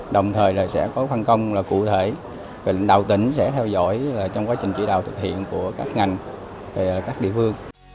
đồng thời sẽ có phân công cụ thể lĩnh đạo tỉnh sẽ theo dõi trong quá trình chỉ đạo thực hiện của các ngành và các địa phương